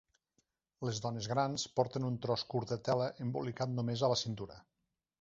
Les dones grans porten un tros curt de tela embolicat només a la cintura.